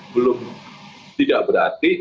belum tidak berarti